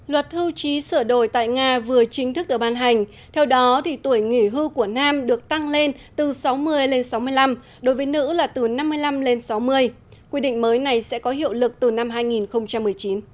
luật hưu trí sửa đổi tại nga vừa chính thức được ban hành theo đó thì tuổi nghỉ hưu của nam được tăng lên từ sáu mươi lên sáu mươi năm đối với nữ là từ năm mươi năm lên sáu mươi quy định mới này sẽ có hiệu lực từ năm hai nghìn một mươi chín